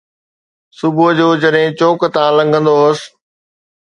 صبح جو جڏهن چوڪ تان لنگهندو هوس